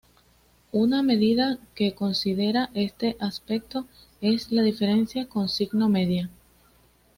Una medida que considera este aspecto es la diferencia con signo media.